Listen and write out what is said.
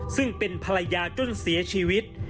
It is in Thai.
ซึ่งเป็นภรรยาจนเสียชีวิต